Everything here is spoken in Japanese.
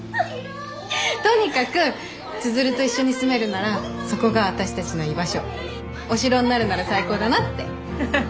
とにかく千鶴と一緒に住めるならそこが私たちの居場所お城になるなら最高だなって。